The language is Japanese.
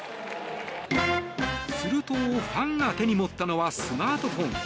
すると、ファンが手に持ったのはスマートフォン。